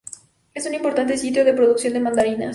Es un importante sitio de producción de mandarinas.